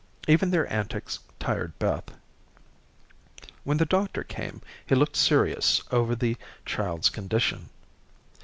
Even their antics tired Beth. When the doctor came, he looked serious over the child's condition.